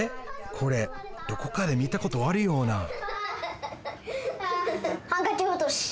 これどこかで見たことあるようなハンカチおとし。